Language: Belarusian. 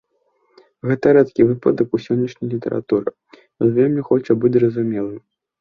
Гэта рэдкі выпадак у сённяшняй літаратуры, ён вельмі хоча быць зразумелым.